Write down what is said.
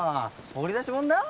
掘り出しもんだよ。